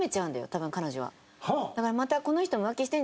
多分彼女は。